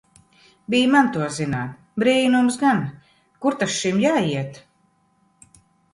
Bij man to zināt! Brīnums gan! Kur ta šim jāiet!